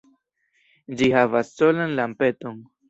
Ĝi havas solan lampeton.